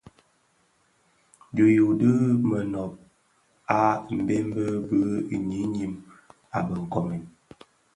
Di yuu di monōb a mbembe bi ňyinim a be nkoomèn.